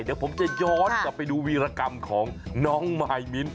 เดี๋ยวผมจะย้อนกลับไปดูวีรกรรมของน้องมายมิ้นท